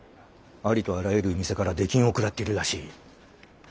ありとあらゆる店から出禁を食らっているらしい。